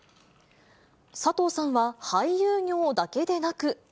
佐藤さんは、俳優業だけでなく。